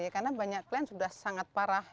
karena banyak klien sudah sangat parah